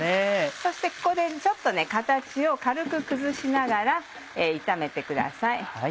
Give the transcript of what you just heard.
そしてここでちょっと形を軽く崩しながら炒めてください。